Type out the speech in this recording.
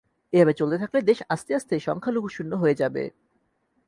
এভাবে চলতে থাকলে দেশ আস্তে আস্তে সংখ্যালঘুশূন্য হয়ে যাবে।